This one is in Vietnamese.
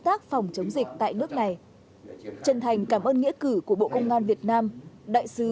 tác phòng chống dịch tại nước này chân thành cảm ơn nghĩa cử của bộ công an việt nam đại sứ